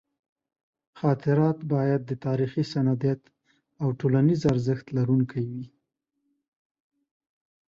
خاطرات باید د تاریخي سندیت او ټولنیز ارزښت لرونکي وي.